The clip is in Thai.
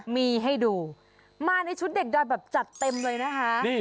มีให้ดูมาในชุดเด็กดอยแบบจัดเต็มเลยนะคะ